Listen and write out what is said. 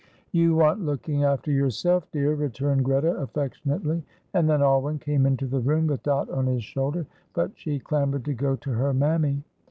"You want looking after yourself, dear," returned Greta, affectionately. And then Alwyn came into the room with Dot on his shoulder, but she clamoured to go to her mammy.